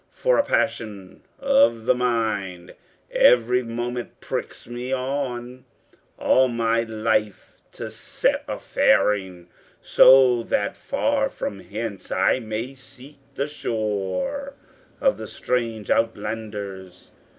For a passion of the mind every moment pricks me on All my life to set a faring; so that far from hence, I may seek the shore of the strange outlanders.